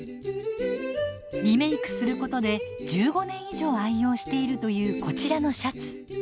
リメークすることで１５年以上愛用しているというこちらのシャツ。